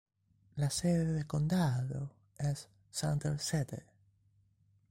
La sede de condado es Center City.